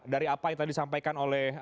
dari apa yang tadi disampaikan oleh